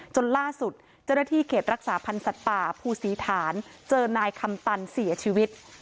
จนล่าสุดเจ้าหน้าที่เขตรักษาพันธ์สัตว์ป่าภูศรีฐานเจอนายคำตันเสียชีวิต